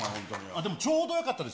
でもちょうどよかったです。